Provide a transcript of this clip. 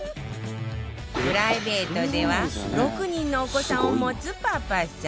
プライベートでは６人のお子さんを持つパパさん